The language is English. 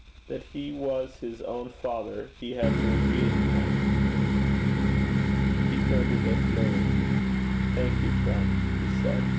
That he was his own father he had no feeling yet. He turned to De Fleuri. 'Thank you, friend,' he said.